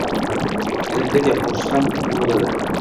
yana bitta gap qo'shsam nima bo'ladi?